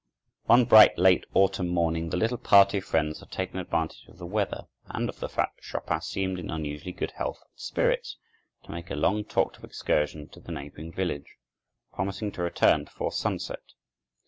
One bright, late autumn morning the little party of friends had taken advantage of the weather, and of the fact that Chopin seemed in unusually good health and spirits, to make a long talked of excursion to the neighboring village, promising to return before sunset.